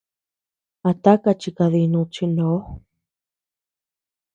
¿A taka chikadinud chi a ndo?